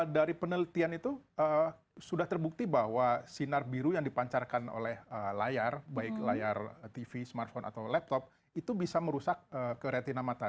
dari penelitian itu sudah terbukti bahwa sinar biru yang dipancarkan oleh layar baik layar tv smartphone atau laptop itu bisa merusak ke retina mata